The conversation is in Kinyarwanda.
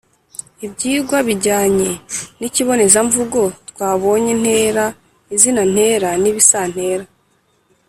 ibyigwa bijyanye n’ikibonezamvugo twabonyemo ntera, izina ntera n’ibisantera.